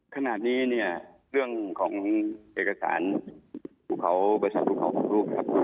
ขนาดนี้เนี่ยเรื่องของเอกสารบุคคลบริษัทบุคคลภูมิครับ